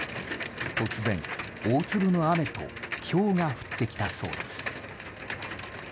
突然、大粒の雨とひょうが降ってきたそうです。